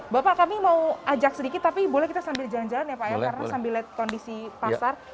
bapak kami mau ajak sedikit tapi boleh kita sambil jalan jalan ya pak ya karena sambil lihat kondisi pasar